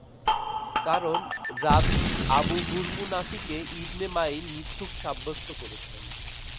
কারণ, রাবী আবু হুরমু নাফিকে ইবন মাঈন মিথুক সাব্যস্ত করেছেন।